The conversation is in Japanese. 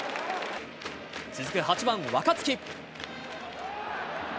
続く８番若月。